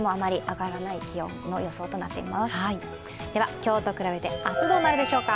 今日と比べて明日どうなるでしょうか。